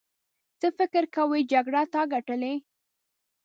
څه فکر کوې جګړه تا ګټلې.